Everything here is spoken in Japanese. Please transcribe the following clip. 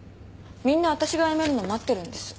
みんな私が辞めるの待ってるんです。